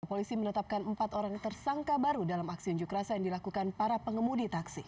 polisi menetapkan empat orang tersangka baru dalam aksi unjuk rasa yang dilakukan para pengemudi taksi